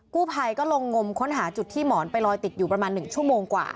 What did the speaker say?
กู้ภัยก็ลงงมค้นหาจุดที่หมอนไปลอยติดอยู่ประมาณ๑ชั่วโมงกว่า